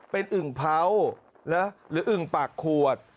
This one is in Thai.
เป็นอึ่งเผาหรืออึ่งปากขวด